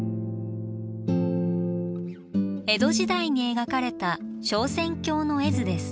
江戸時代に描かれた昇仙峡の絵図です。